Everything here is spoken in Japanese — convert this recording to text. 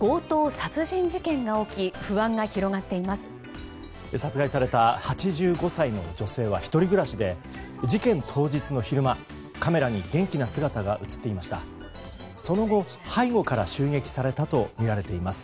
殺害された８５歳の女性は１人暮らしで事件当日の昼間、カメラに元気な姿が映っていました。